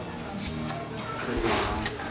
失礼します。